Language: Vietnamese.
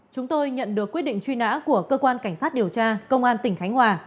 chúng tôi nhận được quyết định truy nã của cơ quan cảnh sát điều tra công an tỉnh khánh hòa